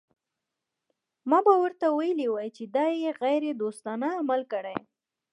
ما به ورته ویلي وای چې دا یې غیر دوستانه عمل کړی.